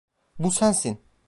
Bu sensin.